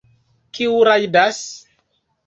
Kiu rajdas?